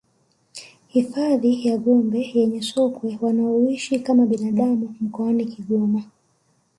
Hifadhi ya Gombe yenye sokwe wanaoishi kama binadamu mkoani Kigoma